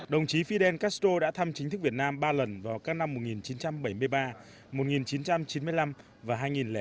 đồng chí fidel castro đã thăm chính thức việt nam ba lần vào các năm một nghìn chín trăm bảy mươi ba một nghìn chín trăm chín mươi năm và hai nghìn tám